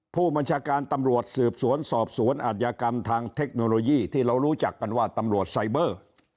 ผู้บัญชาการตำรวจสืบสวนสอบสวนอาจยากรรมทางเทคโนโลยีที่เรารู้จักกันว่าตำรวจไซเบอร์